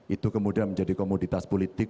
itu kemudian menjadi komoditas politik